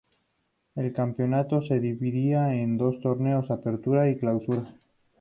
El campeonato se dividía en dos torneos: Apertura y Clausura.